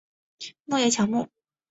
落叶乔木。